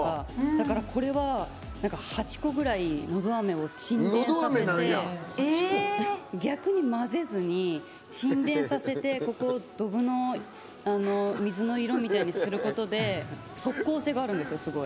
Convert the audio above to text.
だから、これは８個ぐらいのどあめを沈殿させて逆に混ぜずに沈殿させて、ここをドブの水の色みたいにすることで即効性があるんですよ、すごい。